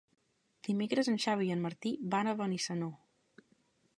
Dimecres en Xavi i en Martí van a Benissanó.